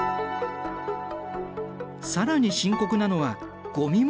更に深刻なのはゴミ問題。